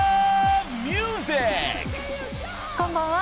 こんばんは。